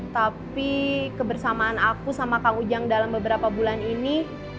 tapi kebersamaan aku sama kang ujang dalam beberapa bulan ini